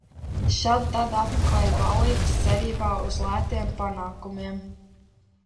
Šad tad apmeklēju ballītes cerībā uz lētiem panākumiem.